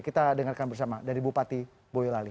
kita dengarkan bersama dari bupati boyolali